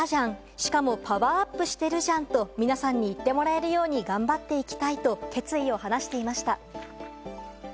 しかもパワーアップしてるじゃんと、皆さんに言ってもらえるように頑張っていきたいと決意を話していました。